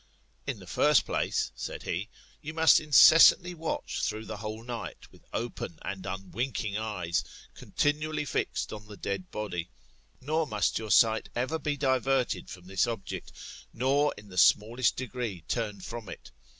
In the first place, said he, you must incessantly watch through the whole night, with open and unwinking eyes, continually fixed on the dead body; nor must your sight ever be diverted from this object, nor in the smallest degree turned from it.